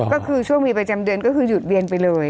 ก็คือช่วงมีประจำเดือนก็คือหยุดเวียนไปเลย